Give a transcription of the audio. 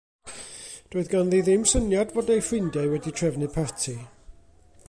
Doedd ganddi ddim syniad fod ei ffrindiau wedi trefnu parti.